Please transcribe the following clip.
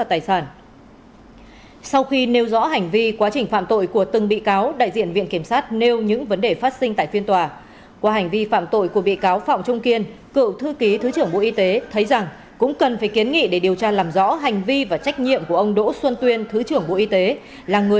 tại phiên tòa đại diện viện kiểm sát đã luận tội đối với từng nhóm bị cáo theo các tội danh nhận hối lộ lừa đảo chiếm đoạt tài sản